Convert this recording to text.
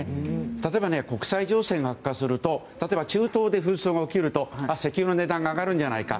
例えば、国際情勢が悪化すると中東で紛争が起きると石油の値段が上がるんじゃないか。